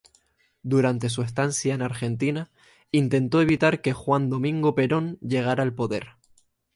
Durante su estancia en Argentina intentó evitar que Juan Domingo Perón llegara al poder.